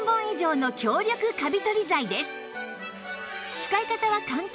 使い方は簡単